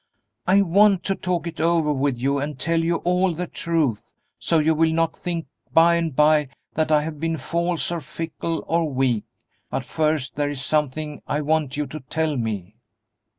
I want to talk it over with you and tell you all the truth, so you will not think, by and by, that I have been false or fickle or weak; but first there is something I want you to tell me."